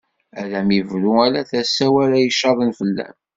Ad am-ibru ala tasa-w ara icaḍen fell-am.